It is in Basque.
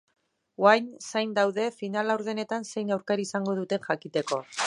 Orain zain daude final-laurdenetan zein aurkari izango duten jakiteko.